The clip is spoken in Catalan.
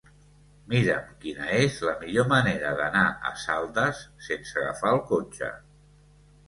Mira'm quina és la millor manera d'anar a Saldes sense agafar el cotxe.